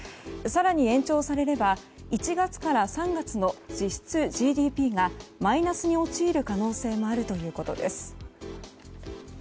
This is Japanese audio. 更に延長されれば１月から３月の実質ＧＤＰがマイナスに陥る可能性もあるということです。